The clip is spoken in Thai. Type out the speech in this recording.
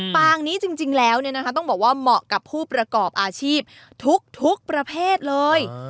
ปางนี้จริงแล้วต้องบอกว่าเหมาะกับผู้ประกอบอาชีพทุกประเภทเลย